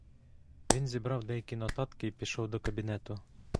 Він зібрав деякі нотатки й пішов до кабінету.